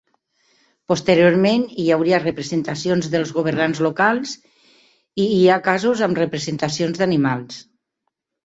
Posteriorment hi hauria representacions dels governants locals i hi ha casos amb representacions d'animals.